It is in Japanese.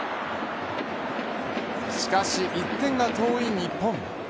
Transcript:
しかし、１点が遠い日本。